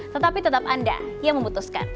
tetapi tetap anda yang memutuskan